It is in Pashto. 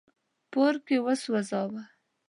په اور کي وسوځاوه.